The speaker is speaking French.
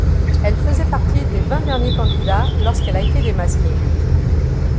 Elle faisait partie des vingt derniers candidats lorsqu'elle a été démasquée.